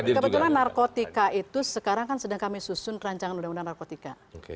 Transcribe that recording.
kebetulan narkotika itu sekarang kan sedang kami susun rancangan undang undang narkotika